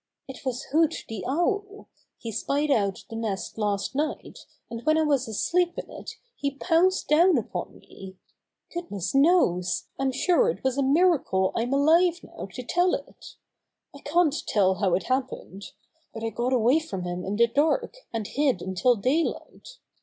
"It was Hoot the Owl. He spied out the nest last night, and when I w^as asleep in it he pounced down upon me. Goodness knows, I'm sure it was a miracle I'm alive now to tell it! I can't tell how it happened. But I got away from him in the dark, and hid until daylight.